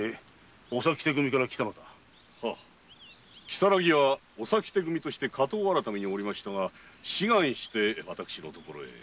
如月はお先手組として火盗改めにおりましたが志願して私のところへ。